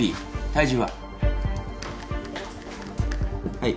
はい。